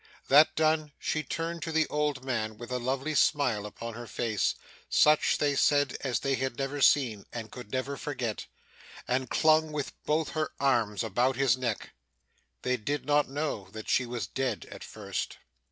That done, she turned to the old man with a lovely smile upon her face such, they said, as they had never seen, and never could forget and clung with both her arms about his neck. They did not know that she was dead, at first.